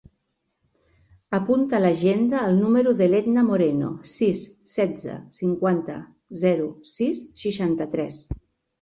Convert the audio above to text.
Apunta a l'agenda el número de l'Edna Moreno: sis, setze, cinquanta, zero, sis, seixanta-tres.